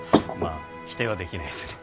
あ否定はできないですね